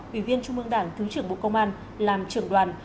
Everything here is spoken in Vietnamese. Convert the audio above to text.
ủy viên trung mương đảng thứ trưởng bộ công an làm trưởng đoàn